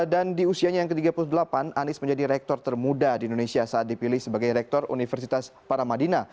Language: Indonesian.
dan di usianya yang ke tiga puluh delapan anies menjadi rektor termuda di indonesia saat dipilih sebagai rektor universitas paramadina